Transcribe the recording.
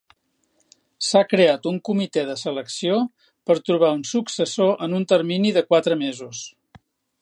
S'ha creat un comitè de selecció per trobar un successor en un termini de quatre mesos.